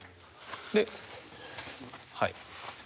ではい。